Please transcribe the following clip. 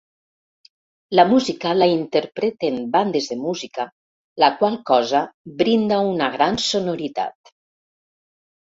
La música la interpreten bandes de música, la qual cosa brinda una gran sonoritat.